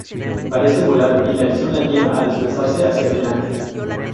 Parece volar y la acción la lleva a desplazarse hacia delante.